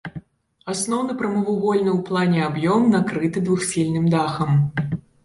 Асноўны прамавугольны ў плане аб'ём накрыты двухсхільным дахам.